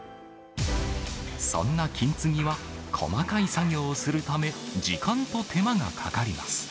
そんな金継ぎは、細かい作業をするため、時間と手間がかかります。